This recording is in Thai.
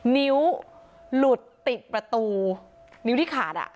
นิ้วหลุดติดประตูนิ้วที่ขาดอ่ะ